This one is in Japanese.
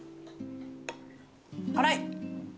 辛い！